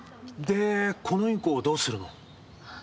でこのインコどうするの？